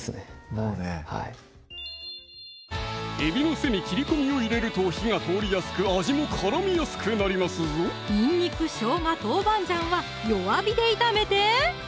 もうねえびの背に切り込みを入れると火が通りやすく味も絡みやすくなりますぞにんにく・しょうが・豆板醤は弱火で炒めて！